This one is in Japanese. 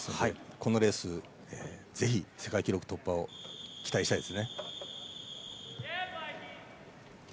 このレース、ぜひ世界記録突破を期待したいです。